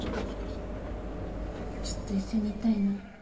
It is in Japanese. ずっと一緒にいたいな。